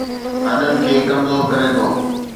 هڏن کي ڪمزور ڪري ٿو